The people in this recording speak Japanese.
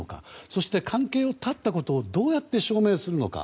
そして、関係を断ったことをどうやって証明するのか。